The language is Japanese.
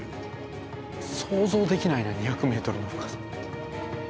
想像できないな２００メートルの深さ。